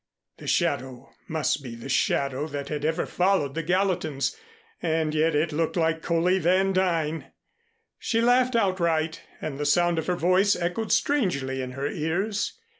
The shadow must be the shadow that had ever followed the Gallatins, and yet it looked like Coley Van Duyn! She laughed outright, and the sound of her voice echoed strangely in her ears.